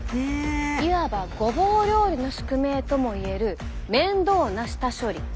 いわばごぼう料理の宿命ともいえる面倒な下処理。